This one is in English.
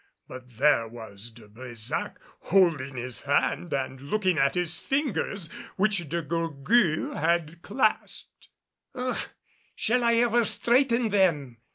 But there was De Brésac holding his hand and looking at his fingers, which De Gourgues had clasped. "Ugh! Shall I ever straighten them?"